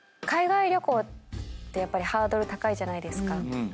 海外旅行ってやっぱりハードル高いじゃないですか。